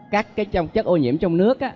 các cái chất ô nhiễm trong nước